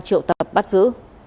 triệu tập bắt giữ